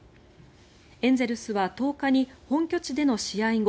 エンゼルスは１０日に本拠地での試合後